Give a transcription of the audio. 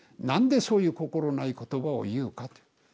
何でそういう心ない言葉を言うかって。